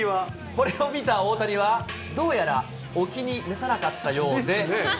これを見た大谷はどうやらお気に召さなかったようで。